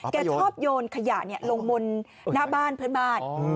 แกชอบโยนขยะลงบนหน้าบ้านเพื่อนบ้าน